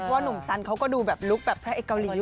เพราะว่านุ่มสันเขาก็ดูแบบลูกแบบพระเอ็กซ์เกาหลีอยู่นะ